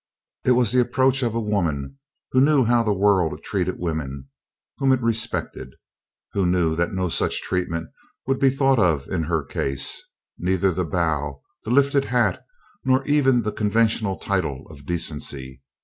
It was the approach of a woman who knew how the world treated women whom it respected; who knew that no such treatment would be thought of in her case: neither the bow, the lifted hat, nor even the conventional title of decency.